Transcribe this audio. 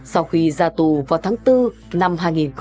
sau khi ra tù vào tháng bốn năm hai nghìn một mươi